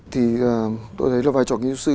thì tôi thấy là vai trò kiến trúc sư